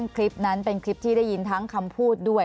คลิปนั้นเป็นคลิปที่ได้ยินทั้งคำพูดด้วย